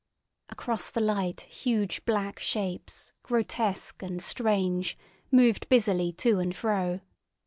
Across the light huge black shapes, grotesque and strange, moved busily to and fro.